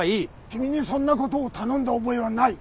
君にそんなことを頼んだ覚えはない。